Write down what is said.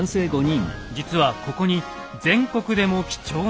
実はここに全国でも貴重な船があるんです。